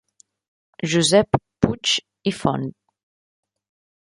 Josep Puig i Font.